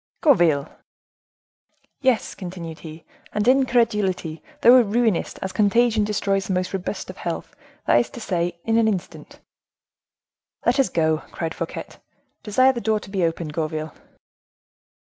"Gourville!" "Yes," continued he, "and incredulity! thou ruinest, as contagion destroys the most robust health; that is to say, in an instant." "Let us go," cried Fouquet; "desire the door to be opened, Gourville."